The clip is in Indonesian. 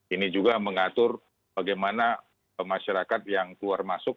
ini juga mengatur bagaimana masyarakat yang keluar masuk